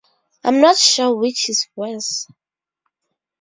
I'm not sure which is worse.